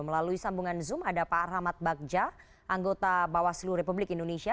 melalui sambungan zoom ada pak rahmat bagja anggota bawaslu republik indonesia